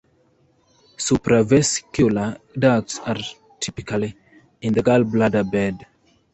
Supravesicular ducts are typically in the gallbladder bed.